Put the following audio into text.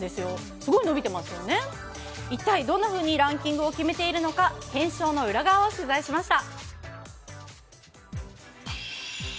すごい伸びてまよすね、一体どんなふうにランキングを決めているのか検証の裏側を取材しました。